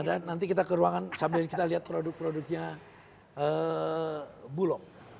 ada nanti kita ke ruangan sambil kita lihat produk produknya bulog